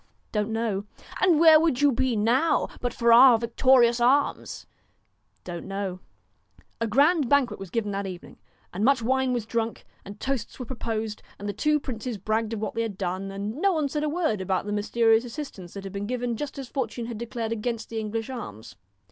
' Don't know.' 'And where would you be now, but for our victorious arms ?'' Don't know.' A grand banquet was given that evening. And much wine was drunk, and toasts were proposed, and the two princes bragged of what they had done, and no one said a word about the mysterious assistance that had been given just as fortune had declared against the English arms.